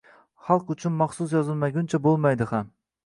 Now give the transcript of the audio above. Xalq uchun maxsus yozilmaguncha bo’lmaydi ham.